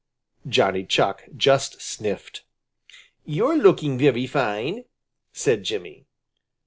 Johnny Chuck just sniffed. "You're looking very fine," said Jimmy.